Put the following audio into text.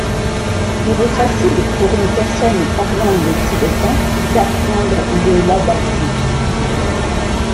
Il est assez facile, pour une personne parlant le tibétain, d'apprendre le ladakhi.